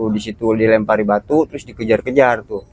disitu dilempari batu terus dikejar kejar